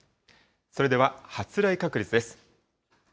それでは発雷確率です。